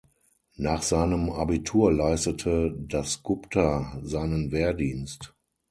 Nach seinem Abitur leistete Das Gupta seinen Wehrdienst.